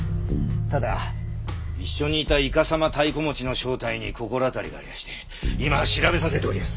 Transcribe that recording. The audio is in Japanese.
ただ一緒にいたいかさま太鼓持ちの正体に心当たりがありやして今調べさせておりやす。